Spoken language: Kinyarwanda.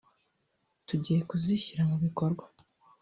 tugiye kuzishyira mu bikorwa